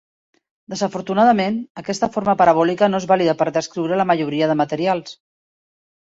Desafortunadament, aquesta forma parabòlica no és vàlida per descriure la majoria de materials.